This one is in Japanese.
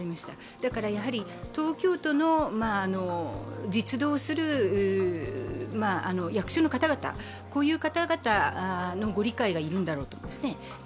だから東京都の実働する役所の方々のご理解が要るんだろうと思います。